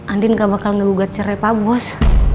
andin gak bakal ngegugat cerai pa bos